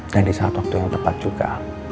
di saat waktu yang tepat juga